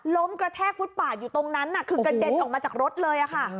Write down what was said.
กระแทกฟุตปาดอยู่ตรงนั้นคือกระเด็นออกมาจากรถเลยค่ะ